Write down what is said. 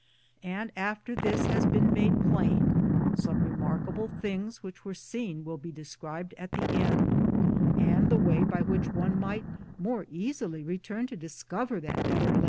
And after this has been made plain, some remarkable things which were seen will be described at ' the end, and the way by which one might more easily return to discover that better